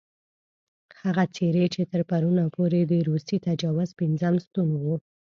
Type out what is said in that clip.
هغه څېرې چې تر پرونه پورې د روسي تجاوز پېنځم ستون وو.